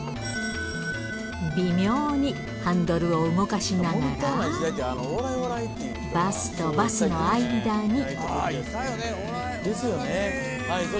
微妙にハンドルを動かしながら、バスとバスの間に。